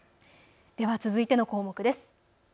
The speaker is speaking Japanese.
では続いての項目です。